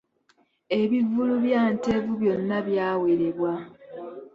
Ebivvulu bya Ntenvu byonna byawerebwa.